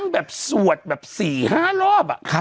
เบลล่าเบลล่า